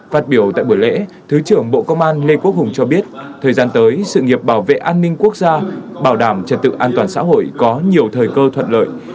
phát biểu tại buổi lễ thứ trưởng bộ công an lê quốc hùng cho biết thời gian tới sự nghiệp bảo vệ an ninh quốc gia bảo đảm trật tự an toàn xã hội có nhiều thời cơ thuận lợi